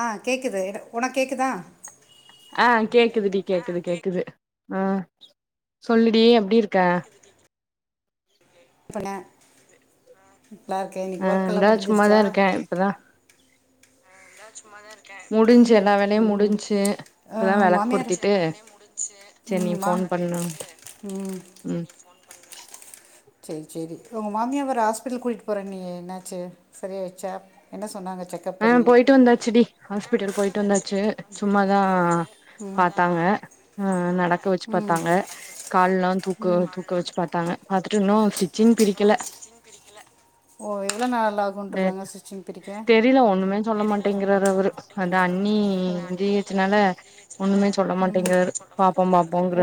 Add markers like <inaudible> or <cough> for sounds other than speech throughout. ஆ கேக்குது என உனக் கேக்குதா ஆ கேக்குது டி கேக்குது கேக்குது ஆ சொல்லுடி எப்டி இருக்க இப்பேன்ன நல்லா இருக்கே இன்னைக்கி ஒர்க்கெல்லா முடிஞ்சிருச்சா அ இப்பதா முடிஞ்சு எல்லா வேலையு ம் முடிஞ்சு அ இப்பதா வெளக்கு மாமியாரு பொருத்திட்டு செரி நீ ம் மா ஃபோன் பண்ணன்ட்டு ம் ம் செரி செரி உங்க மாமிய ஒரு ஹாஸ்பிட்டல் கூட்டிகிட்டு போறே நீயே என்னாச்சு சரி ஆயிச்சா என்ன சொன்னாங்க செக் ஆ போயிட்டு வந்தாச்சு டி ஹாஸ்பிட்டல் போயிட்டு வந்தாச்சு சும்மாதா பாத்தாங்க அ நடக்க வச்சு ம் அஹ், பாத்தாங்க கால்லா தூக்க ம் தூக்க வச்சு பாத்தாங்க பாத்துட்டு இன்னு ஸ்டிச்சிங் பிரிக்கல சின் பிடிக்கல ஓ எவ்ளோ நாளல ஆகுண்டிருக்காங்க ஸ்டிச்சிங் பிரிக்க தெரியல ஒண்ணுமே சொல்ல மாட்டேங்கிறார் அவரு அந்த அண்ணி ஜி ஹெச் னால ம்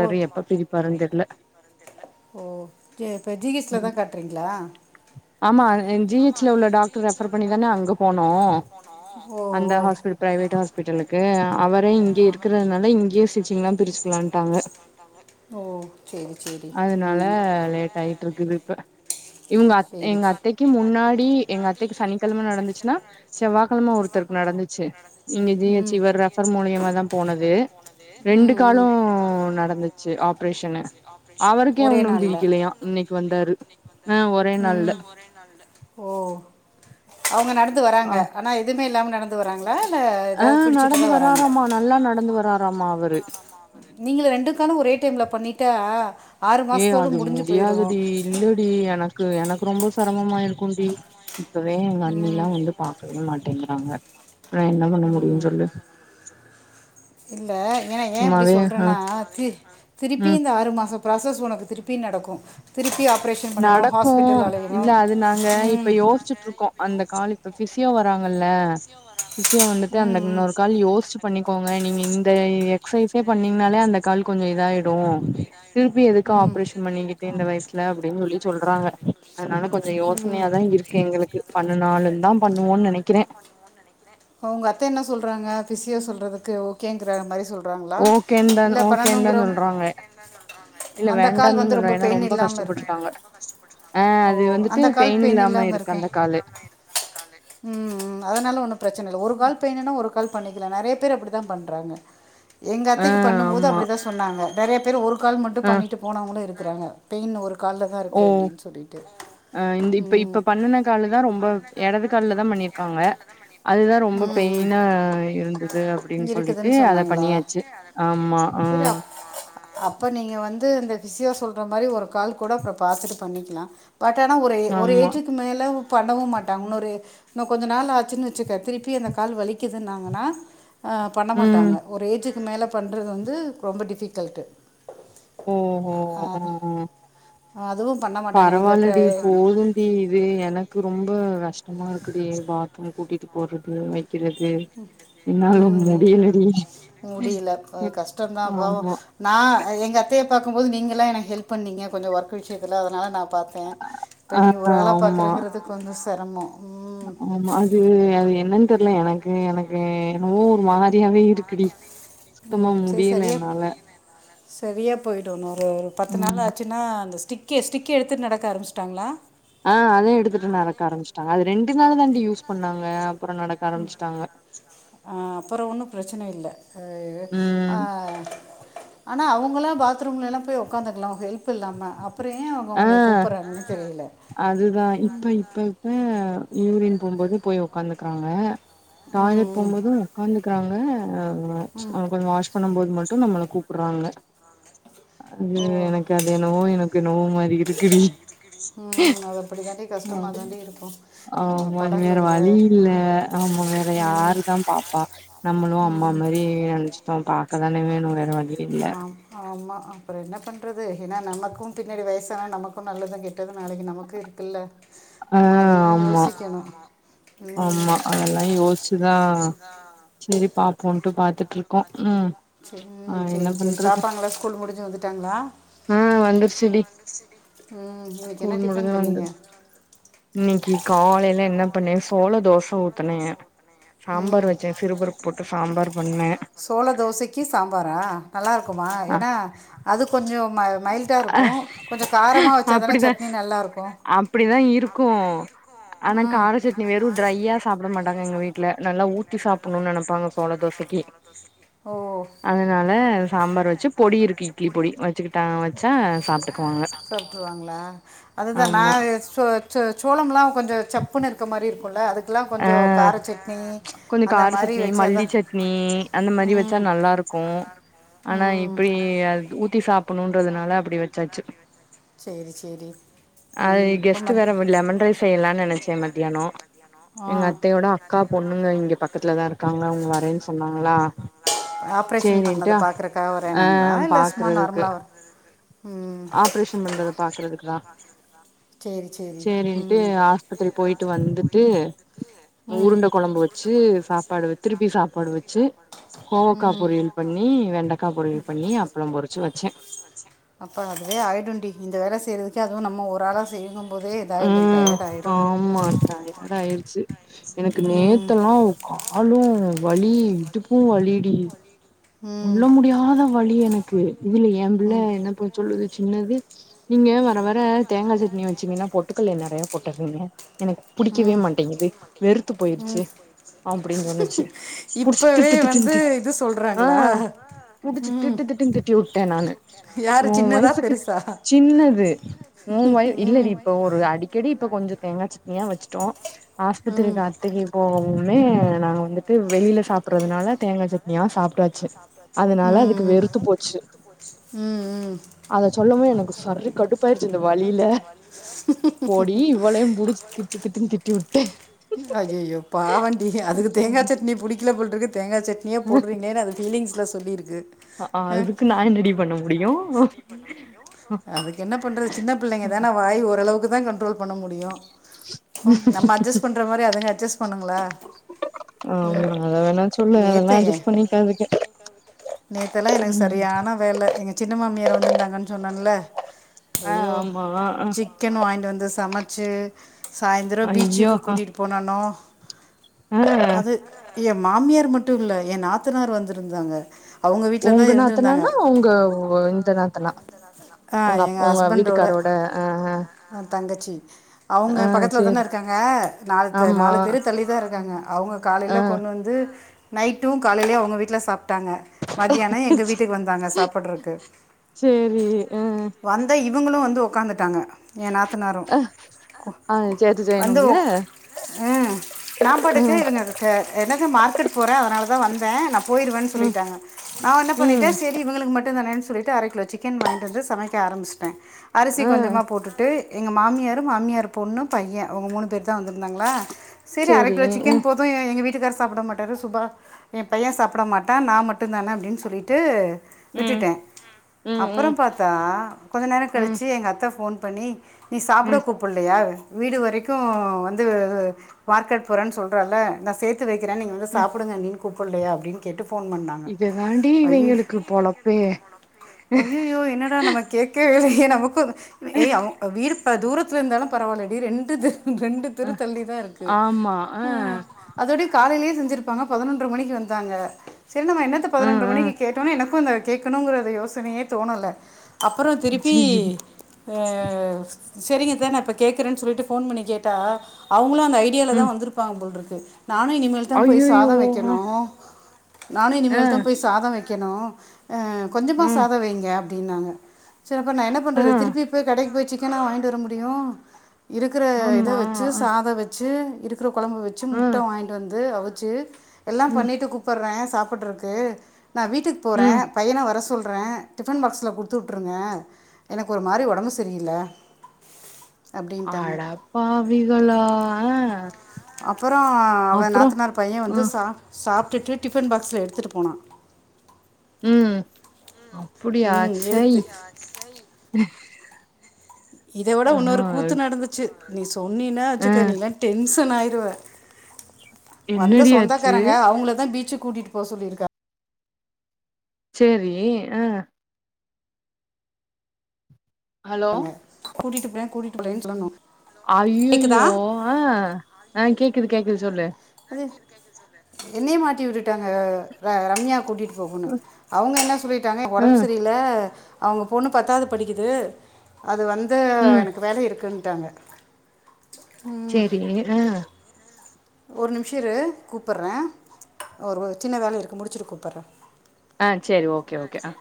ஓ எப்ப பிரிப்பாருன்னு தெர்ல ஓ சே இப்ப ஜி ஹெச் லதா காட்டுறீங்களா ஆமா ஜி ஹச் ல உள்ள டாக்டர் ரெஃபர் பண்ணிதானே அங்க போனோ ஓ அந்த ஓ ஹாஸ்பிடல் பிரவேட் ஹஸ்பிடலுக்கு அவரே இங்க இருக்கிறதுனால இங்கயே ஸ்டிச்சிங்லா பிரிச்சுக்கலான்ட்டாங்க ஓ செரி செரி ம் ஆ லேட் ஆயி ற்று இருக்குது இப்ப இவங்க அத் எங்க எங்க அத்தைக்கு முன்னாடி எங்க அத்தைக்கு சனிக்கெழம நடந்துச்சு னா செவ்வாக்கிழமா ஒருத்தருக்கு நடந்துச்சு இங்க ஜி ஹெச் இவர் ரெஃபர் மூலியமா தா போனது ரெண்டு காலு நடந்துச்சு ஆப்ரேஷன்னு அவருக்கே உன்னு பிரிக்கலையா அவருக்கே இன்னைக்கு வந்தாரு ஆ ஒரே நாள்ல ம் ஓ அவங்க நடந்து ஆ வராங்க ஆனா எதுவுமே இல்லாம நடந் து வராங்களா இல்ல ஆ எதாவது பிடிச்சட்டு நடந்து தா வர்றாங்க வராராமா நல்லா நடந்து வராராமா அவரு நீங்களு ரெண்டுக்காலு ஒரே டைம்ல பண்ணிட்டா ஆறு மாசத்தோடு முடிஞ்சு போயிரு இல்ல டி எனக்கு எனக்கு ரொம்ப சிரமமா இருக்கு டி இப்பவே ம் எங்கண்ணெல்லா வந்து பாக்கவே மாட்டேங்கிறாங்க நா என்ன பண்ண முடியுனு சொல்லு இல்ல ஏன்னா ஏ இப்டி சும்மாவே ஆ சொல்றேன்னா தி ம் திருப்பி இந்த ஆறு மாசோ ப்ராசஸ் உனக்கு திருப்பி நடக்கு திருப்பி ஆப்ரேஷன் பண்ணணும் நடக்கு ஹாஸ்பிட்டல் இல்ல அலையணும் அது நாங்க இப்ப ம் யோசிச்சு ட்ருக்கோ அந்த கால் இப்ப ஃபிசியோ வராங்கல்ல ஃபிசியோ வந்ட்டு ம் அந்த ம். இன்னொரு கால் யோசிச்சு பண்ணிக்கோங்க நீங்க இந்த எக்ஸசைஸே பண்ணீங்கனாலே அந்த கால் கொஞ்ச இதாயிடு திருப்பி எதுக்க ம் ஆப்ரேஷன் பண்ணிக்கிட்டு இந்த வயசுல அப்டின்னு சொல்லி சொல்றாங்க அதனால கொஞ்ச ம் யோசனையாதா இருக்கு எங்களுக்கு பண்ணுனாலுதா பண்ணுவோன்னு நெனைக்கிறே உங்க அத்தை என்ன சொல்கிறாங்க ஃபிசியோ சொல்றதுக்கு ஒ ஓகே தா ஓகேந்தா பன்னெண்டுங்கிற சொல்றாங்க இல்ல அந்த கால் வேண்டானு தா வந்து சொல்றாங்க ஏன்னா பெயின் ரொம்ப இல்லாமல் இருக்கு கஷ்டப்பட்டுட்டாங்க அ ஓ அது வந்துட்டு அந்த கால் பெயின் இல்லாம இருக்கு அந்த காலு ம் ம் அதனால ஒன்னு பிரச்சன இல்ல ஒரு கால் பெயின்ணுன்னா ஒரு கால் பண்ணிக்கலா நெறைய பேர் அப்டிதா பண்றாங்க எங்க ஆ அத்தைக்கு பண்ணும்போது ஆமா அப்படிதா சொன்னாங்க நெறையா பேர் ஒரு கால் மட்டு ஆ பண்ணிட்டு போனவங்களு இருக்கிறாங்க பெயின் ஒரு காலல தா இருக்கு ஓ அப்டின்னு சொல்லிட்டு ம் கால தா ரொம்ப எடது காலல தா பண்ணிருக்காங்க அதுதா ரொம்ப பெயினா இருந்தது அப்டின்னு சொல்லிட்டு இருக்குதுன்னு அத சொன்னாங்களா பண்ணியாச்சு ஆமா ஆ சரி அப் அப்போ நீங்க வந்து இந்த ஃபிஸியோ சொல்ற மாரி ஒரு கால் கூட அப்றோ பாத்துட்டு பண்ணிக்கலா பட் ஆனா ஒரு ஒரு ஆமா ஏஜுக்கு மேலவு பண்ணவு மாட்டாங்க இன்னொரு இன்னு கொஞ்ச நாள் ஆச்சுன்னு வச்சுக்க திருப்பி அந்த கால் வலிக்குதுன்னாங்கன்னா அ பண்ண ம் மாட்டாங்க ஒரு ஏஜுக்கு மேல பண்ணுறது வந்து ரொம்ப டிஃபிகல்ட்டு் ஓஹோ அ ஆ அது அதுவு பண்ண மாட்டாங்க எங்கக் <unintelligible> டி இது எனக்கு ரொம்ப கஷ்டமா இருக்குடி பாத்ரூம் கூட்டிட்டு போடுறது வை க்கிறது என்னால ம், முடியலடி முடியல அ கஷ்டோந்தா பாவோ ஆமா நா எங்க அத்தைய பாகும்போது நீங்கள்லா எனக்கு ஹெல்ப் பண்ணீங்க கொஞ்ச ஒர்க்கு விஷயத்தில அதனால நா பாத் த்த இப்போ ஆ நீ ஒரு ஆளா ஆமா பாக்குறங்கிறது கொஞ்சோ செரமோ <unintelligible> ஆமா அத் ம் அது என்னன்னு தெர்ல எனக்கு எனக்கு என்னவோ ஒரு மாரியாவே இருக் குடி சுத்தமா ம், சரி முடியல என்னால சரியா போயிடு இன்னொரு ஒரு பத்து ம் நாள் ஆச்சு ன்னா அந்த ஸ்டிக்கே ஸ்டிக்கு எடுத்துட் நடக்க ஆரம்பிச்சுட்டாங்ளா ஆ அத எத்துட்டு நடக்க ஆரம்பச்சுட்டாங்க அது ரெண்டு நாள் தாண்டி யூஸ் பண்ணாங்க அப்புறோ நடக் ஆரம்பிச்சிட்டாங்க அ அப்புறோ ஒன்னு பிரச்சன இல்ல அ இது அ ம் ஆனா அவங்களா பாத்ரூம்ல எல்லா போய் ஒக்காந்திடலா ஹெல்ப் இல்லாம அப் அப்புறோ அவங்க ஆ உன்னைய கூப்பிடறாங்கன்னு தெரியல <inaudible> ப யூரின் போம்போது போய் உக்காந்துக்கறாங்க டாய்லெட் ம் போம்போது உக்காந்துக்கறாங்க அவுங்க ம்ச் அவங்க கொஞ்சோ வாஷ் பண்ணும்போது மட்டு நம்பள கூப்புடுறாங்க அது ஓ எனக்கு அது என்னவோ எனக்கு என்னவோ மாரி இருக்குடி ம் அது அப்படி தாண்டி ஆ கஷ்டமா தாண்டி இருக்கு ஆமா வேற வழி இல்ல ஆமா வேற ம், யாரு தா பாப்பா நம்மளு அம்மா ம், மாரி எ நெனச்சுட்டோ பாக்கதானே வேணு வேற வழி இல்ல ஆமா அப்புறோ என்ன பண்ணறது ஏன்னா நமக்கு பின்னாடி வயசானா நமக்கு நல்லது கெட்டது நாளைக்கு நமக்கு இருக் குல்ல ஆ நம்ம அதையு ஆமா யோசிக்கணு ஆமா அதெல்லா யோசிச்சுதா செரி பாப்போன்ட்டு பாத்துட்ருக் செம் செரி செரி பண்றது பாப்பாங்களா ஸ்கூல் முடிஞ்சு வந்துட்டாங்ளா ஆ வந்திருச்சுடி ம் இன்னைக்கு என்ன டிஃபன் வந்து பண்ணீங்க இன்னைக்கு காலைல என்னப் காலைல என்ன பண்ணே சோள தோச ஊத்தினே ம் சாம்பார் வச்சே சாம்பார் சிறுபருப்பு வச்சே போட்டு சிறு பருப்பு சாம்பார் போட்டு பண்ணே சாம்பார் சோள தோசைக்கு சாம்பாரா நல்லாயிருக்குமா ஆ ஏன்னா அது கொஞ்சோ ம மைல்டாருக்கு கொஞ்சோ காரமா வச்சாதான சட்னி நல்லாருக்கு அப்படிதா இருக்கு ஆனா ம் கார சட்னி வெறு ட்ரையா சாப்பிட மாட்டாங்க எங்க வீட்ல நல்லா ஊத் த்தி சாப்பிடணும்னு நெனைப்பாங்க சோள தோசைக்கு ஓ அதனால சாம்பார் வச்சு பொடி இருக்கு இட்லி பொடி வச்சுக்கிட்டாங்க வச்சா சாப்ட்டுக்குவாங்க <unintelligible> வாங்ளா அதுதா நா ஆமா எஸ் சோ ச்சோ சோளம்லா கொஞ்ச சப்புன்னு இருக்க மாரி இருக்குல அதுக் ட்லா ஆ கொஞ்சோ கார சட்னி கொஞ்ச அந்த கார மாரி சட்னி வச்சாதா மல்லி சட்னி அந்த மாரி வச்சா ம் நல்லா ச்சா இருக்கு நல்லாருக்கு ஆனா இப்பை அது ஊத்தி சாப்பணுன்றதுனால அப்டி வச்சாச்சு சேரி சேரி அது ம் இப்ப கெஸ்ட் மத் வேற லெமன் ரைஸ் செய்யலான்னு நெனச்சே மத்தியானோ எங்க அத்தையோட அக்கா பொண்ணுங்க இங்க பக்கத்துலதா இருக்காங்களா அவ்ங்க வரேன்னு சொன்னாங்களா ஆப்ரேஷன் சேரின்ட்டு பண்ணத பாக்குறக்கா ஆ வரன்னாங்களா இல்ல சும்மா பாக்குறதுக்கு நார்மலா வ ம் ஆப்ரேஷன் பண்றத பாக்குறதுக் சேரி சேரி ம் பத்திரி போயிட்டு வந்துட்டு ம் உருண்ட கொழம்பு வச்சு சாப்பாடு திருப்பி சாப்பாடு வச்சு கோவக்கா ம் பொரியல் பண்ணி வெண்டைக்கா பொரியல் பண்ணி அப்பளம் பொரிச்சு வச்சே அப்ப அதுவே ஆயடுன்டி இந்த வேல செய்யறதுக்கே அதுவு நம்ம ஒரு ஆளா செய்யணு ம் ஆமா டயர்டாயிருச்சு எனக்கு ம் நேத்தல்லா காலூ வலி இடுப்பு வலிடி ம் சொல்ல முடியாத வலி எனக்கு இதுல எம் பிள்ள என்ன சொல்லுது சின்னது நீங்க வர வர தேங்கா சட்னி வச்சீங்கன்னா பொட்டுக்கல்ல நெறையா போட்டறீங்க எனக்கு புடிக்கவே ம் மாட்டேங்குது வெறுத்து போயிருச்சு ம் அப்டின்னு சொன்னுச்சு புடிச் திட்டு திட்டுன்னு திட் ஆ சொல்றாங்களா புடிச்சு திட்டு திட்டுன் திட்டி வுட்டே நானு யார் ஒ சின்னதா வயசுக்கு பெருசா சின்னது ஓ வய இல்லடி இப்ப ஒரு அடி க்கெடி இப்ப கொஞ்சொ தேங்கா சட்னியா வச்சுட்டோ ம் ஆஸ்பத்திரிக்கு அத்தைக்கு போகனுனே நாங்க வந்து து வெளில சாப்டறதுனால தேங்கா சட்னியா சாப்டாச்சு அதனால அதுக்கு ம் வெறுத்து போச்சு ம் ம் அத சொல்லவு எனக்கு சரி கடுப்பாயிடுச்சு இந்த வலியில போடி இவ்வளே புடிச்சு திட் டு திட்டுன் திட்டி வுட் ஐயயோ பாவண்டி அதுக்கு தேங்கா சட்னி புடிக்கல போல்ருக்கு தேங்கா சட் னியே போடுறீங்கன்னு அது ஃபீலிங்ஸ்ல சொல்லிருக்கு அ ஆ அதுக்கு நா என்னடி பண்ண முடியு அதுக்கு என்ன பண்றது சின்ன பிள்ளைங்க தானா வாய் ஓரளவுக்குதா கன்ட்ரோல் பண்ண முடியு பம் நம்ம அட்ஜஸ் பண்ற மாரி அதுங்க அட்ஜஸ் ஆமா அத வேணா சொல்லு அதெல்லா நேற்று அட்ஜஸ் பண்ணிக்காதுக்க நேத்தெல்லா எனக் சரியான வேல எங்க சின்ன மாமியார் வந்திருந்தாங்கன் சொன்னன்ல ஆ ஆமா அ க்கன் வாங்கிட்டு வந்து சமைச்சு சாயந்தரோ ஐயோ பீச்சுக்கு கூட்டிக்ட்டு போனனு ஆ அது எ மாமியார் மட்டு இல்ல எ நாத்தனார் வந்திருந்தாங்க அவங்க வீட்டில் தான் உங்க இருந்திருந்தாங்க நாத்தனானா உங்க இந்த நாத்தனா ஆ உங்க அப் எங்கள் உங்க ஹஸ்பண்டோட வீட்டுக்காரோட அ அ தங்கச்சி அவங்க சேரி பக்கத்துலதானே இருக்காங்க நாலு தெ ஆமா நாலு தெரு தள்ளிதா இருக்காங்க அவங்க ஆ காலைல கொண் வந்து நைட்டும் காலைலயு அவங்க வீட்ல சாப்ட்டாங்க மதியான எங்க வீட்டுக்கு வந்தாங்க சாப்படுறக்கு சேரி ஆ வந்த இவங்களு வந்து உக்காந்துட்டாங்க எ நாத்தனாரு கு ஆ கு சேத்து வந்து செய்யணும்ல உக் ம் நா பாட்டுக்கு ம் இவங்க க எனக்கு மார்க்கெட் போறே அதனாலதா வந்தே நா போயிடுவேன் ம் சொல்லிட்டாங்க நா என்ன ம் பண்ணிட்டே சரி இங்களுக்கு மட்டும் தானே சொல்லிட்டு அரை கிலோ சிக்கன் வாங்கிட்டுந்து சமைக்க ஆரம்பிச் அரிசி ஆ கொஞ்சமா போட்டுட்டு எங்க மாமியார் மாமியார் பொண்ணு பையன் அவுங்க மூணு பேரு தா வந்து ருந்தாங்களா செரி அரை சேரி கிலோ ம் சிக்கன் போதும் எங்க வீட்டுக்காரு சாப்ட மாட்டரு சுபா எ பைய சாப்ட மாட்டா நா மட்டு தானே அப்டின் சொல்லிட்டு ம் விட்டுட்டே ம் ம் அப்புறம் பாத்தா கொஞ்ச நேரோ ம் கழிச்சு எங்க அத்தை ஃபோன் பண்ணி நீ சாப்ட ம் கூப்ல்லையா வீடு வரைக்கும் வந் து மார்க்கெட் போறன் சொல்றல்ல நா சேத்து வெக்கிறே நீ வந்து ம் சாப்டுங்க அண்ணின் கூப்ட்லயா அப்டின்ட்டு கேட்டு போன் பண்ணாங்க இது தாண்டி அய்யயோ இவங்களுக்கு பொழப்பே ஐய்யயோ என்னடா நமக் கேட்கே வில்லையே நமக்கு ஏ அவ் வீ தூரத்துல இருந்தாலு பரவால்லடி ரெண்டு தெரு ரெண்டு அ தெரு தள்ளி தா இருக்கு ஆமா ஆ அதோடே காலையிலயே செஞ்சிருப்பாங்க பதினொன்ற மணிக்கு வந்தாங்க செரி நம்ம என்னத்த ம் பதினொன்ற மணிக்கு ம் கேட்டோனா எனக்கு அந்த கேட்கணுங்கற அந்தப் யோசனையே தோணல அப்பறோ திருப்பி சேரி ஹ செரிங்கத்தா நா இப்போ கேட்கறேன் சொல்லிட்டு ஃபோன் பண்ணி கேட்டா அவங்களு அந்த ஐடியால தா ம் வந்துருப்பாங்க போல்ருக்கு நானு இனிமேல் தா போய் ஐயையோ சாதோ ஆ வெக்கணு நானு ஆ இனிமேல் தா போய் சாதோ வெக்கணு அஹ் கொஞ்சமா ஆ சாதோ வெய்ங்க அப்டின்னாங்க செரி அப்ப நா என்ன பண்றது திருப்பி போய் கடைக்கு போய் சிக்கனா வாங்கிட்டு வர முடியு இருக்குற இத ஆமா வெச்சு ஆ அத வெச்சு இருக்குற கொழம்பு வெச்சு முட்ட ம் வாங்கிட்டு வந்து அவிச்சு எல்லா ம் பண்ணிட்டு கூப் போற்ற சாப்பட்ருக்கு நா வீட்டுக்கு போற ம் பையன வர சொல்ற டிஃபன் பாக்ஸ்ல குடுத்துவுட்ருங்க எனக்கு ஒரு மாரி உடம்பு செரில அடப்பாவிகளா ஆ அப்பறோ அவ அப்றோ நாத்தனார் பையன் ஆ வந்து சா சாப்டுட்டு டிஃபன் பாக்ஸ்ல எடுத்துட்டு போனா உம் அப்புடியா ம் சை எடுத்து இத விட ஆ ஒன்னொரு கூத்து நடந்துச்சு நீ சொன்னின்னா ஆ வச்சுக்க நீளா டென்சன் ஆயிருவ வந்த என்னடி ஆச்சு சொந்தக்காரங்க அவங்கள தா பீச்சு கூட்டிட் போ சொல்லிருக்கா செரி உஹ் ஹலோ கூட்டிட்டு போற கூட்டிட்டு போலனு சொல்ணு ஐய்யையோ அஹ் ஆஹ் கேக்குது கேக்குது சொல்லு என்னைய மாட்டி விட்டுட்டாங்க ர ரம்யா கூட்டிட் போகுனு அவங்க என்ன சொல்லிட்டாங்க ஆ உடம்பு சரியில அவங்க பொண்ணு பத்தாவது படிக்கிது அது வந்து ம் எனக்கு வேல இருக்குன்டாங்க செரி ஆஹ் ஒரு நிம்ஷோ இரு கூப்பற ஒரு ஒரு சின்ன வேல இருக்கு முடிச்சிட்டு கூப்பற ஆஹ் செரி ஓகே ஓகே ஆஹ்